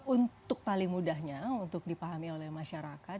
untuk paling mudahnya untuk dipahami oleh masyarakat